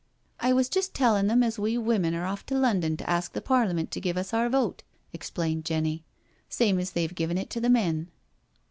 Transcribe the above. I was just telling them as we women are off to London to ask the Parliment to give us our vote," ex plained Jenny, " same as they've given it to the men."